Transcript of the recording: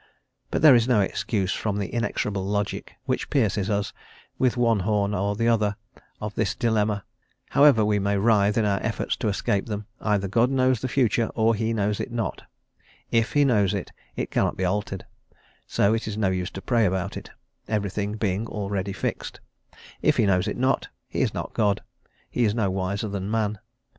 But there is no excuse from the inexorable logic which pierces us with one horn or the other of this dilemma, however we may writhe in our efforts to escape them; either God knows the future or he knows it not; if he knows it, it cannot be altered, so it is of no use to pray about it, everything being already fixed; if he knows it not, he is not God, he is no wiser than man.